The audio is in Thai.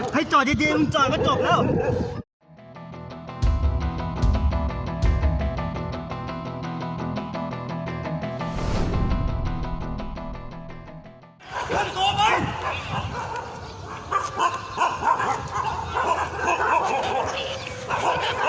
ให้จ่อยดีจ่อยก็จบแล้ว